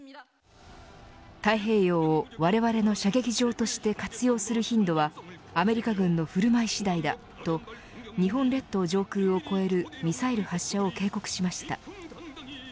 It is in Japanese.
太平洋をわれわれの射撃場として活用する頻度はアメリカ軍の振る舞い次第だ、と日本列島上空を越えるミサイル発射を警告しました。